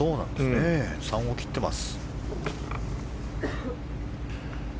３を切ってます。